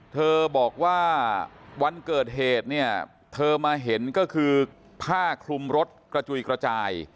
เธอบอกว่าวันเกิดเหตุเนี่ยเธอมาเห็นก็คือผ้าคลุมรถกระจุยกระจาย